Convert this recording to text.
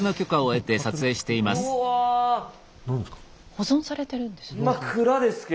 保存されてるんですよ。